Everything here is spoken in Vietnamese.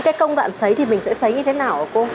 cái công đoạn sấy thì mình sẽ sấy như thế nào hả cô